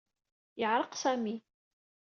Yeɛreq Sami.